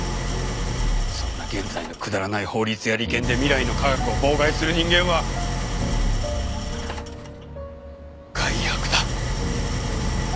そんな現在のくだらない法律や利権で未来の科学を妨害する人間は害悪だ。